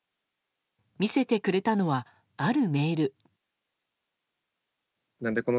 見せてくれたのはあるメール。